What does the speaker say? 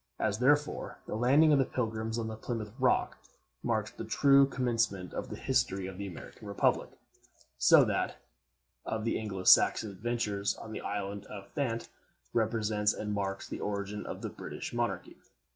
As, therefore, the landing of the Pilgrims on the Plymouth Rock marks the true commencement of the history of the American Republic, so that of the Anglo Saxon adventurers on the island of Thanet represents and marks the origin of the British monarchy.